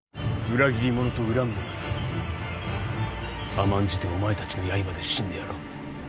裏切り者と怨むのなら甘んじてお前たちの刃で死んでやろう。